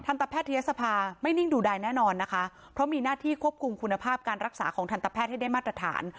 ตแพทยศภาไม่นิ่งดูดายแน่นอนนะคะเพราะมีหน้าที่ควบคุมคุณภาพการรักษาของทันตแพทย์ให้ได้มาตรฐาน